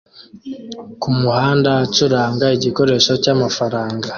kumuhanda acuranga igikoresho cyamafaranga